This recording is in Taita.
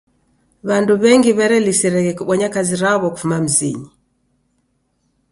W'andu w'engi w'erelisireghe kubonya kazi raw'o kufuma mzinyi.